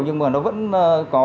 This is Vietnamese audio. nhưng mà nó vẫn có